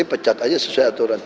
pecat aja sesuai aturan